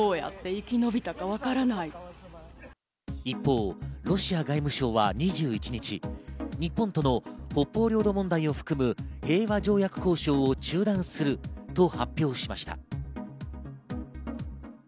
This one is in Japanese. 一方、ロシア外務省は２１日、日本との北方領土問題を含む平和条約交渉を中断すると発表しました。